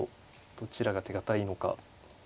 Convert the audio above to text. どちらが手堅いのか。